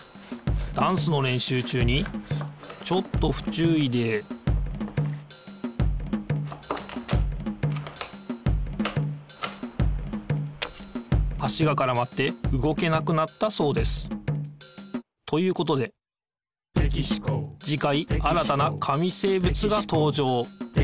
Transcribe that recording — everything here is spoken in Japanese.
ダンスのれんしゅう中にちょっとふちゅういで足がからまって動けなくなったそうです。ということでじかい新たな紙生物がとうじょう。